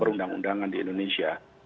perundang undangan di indonesia